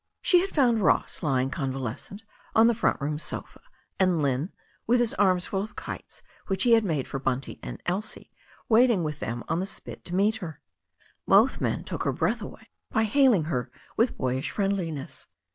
She had fotmd Ross lying con valescent on the front room sofa, and Lynne, with his arms full of kites which he had made for Bunty and Elsie, wait ing with them on the spit to meet her. Both men took her breath away by hailing her with boyish friendliness.